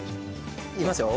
いきますよ。